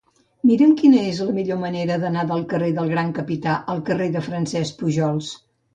Mira'm quina és la millor manera d'anar del carrer del Gran Capità al carrer de Francesc Pujols.